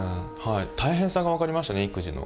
大変さが分かりましたね育児の。